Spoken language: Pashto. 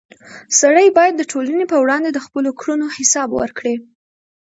سړی باید د ټولنې په وړاندې د خپلو کړنو حساب ورکړي.